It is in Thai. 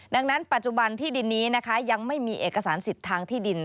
ดังนั้นปัจจุบันที่ดินนี้นะคะยังไม่มีเอกสารสิทธิ์ทางที่ดิน